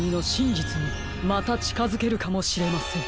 じつにまたちかづけるかもしれません。